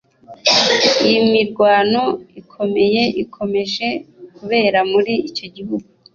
Iyi mirwano ikomeye ikomeje kubera muri icyo gihugu